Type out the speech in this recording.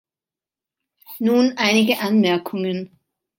Nun einige Anmerkungen.